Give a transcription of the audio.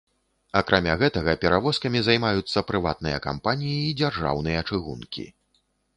Акрамя гэтага, перавозкамі займаюцца прыватныя кампаніі і дзяржаўныя чыгункі.